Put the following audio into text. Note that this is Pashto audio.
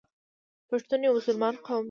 پښتون یو مسلمان قوم دی.